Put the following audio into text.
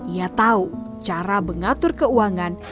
ia tahu cara mengatur keuangan